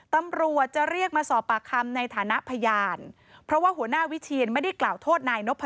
ตำรวจจะเรียกมาสอบปากคำในฐานะพยานเพราะว่าหัวหน้าวิเชียนไม่ได้กล่าวโทษนายนพ